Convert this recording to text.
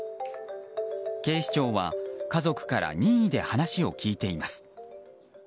警視庁は家族から任意で話を聞いています。